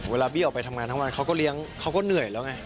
บี้ออกไปทำงานทั้งวันเขาก็เลี้ยงเขาก็เหนื่อยแล้วไง